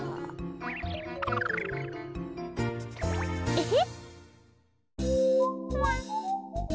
エヘ。